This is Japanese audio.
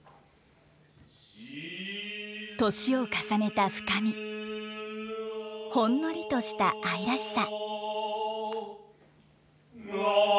年を重ねた深みほんのりとした愛らしさ。